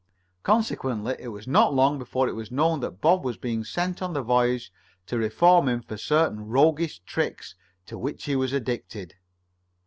Consequently it was not long before it was known that Bob was being sent on the voyage to reform him for certain roguish tricks to which he was addicted.